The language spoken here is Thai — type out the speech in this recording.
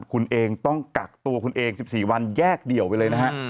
คุณเองต้องกักตัวคุณเอง๑๔วันแยกเดี่ยวไปเลยนะฮะ